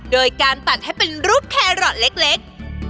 โดยการตัดให้เป็นรูปแครอทเล็ก